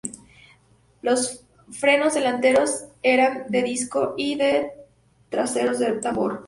Los frenos delanteros eran de disco y los traseros de tambor.